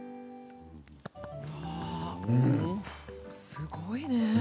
すごいね。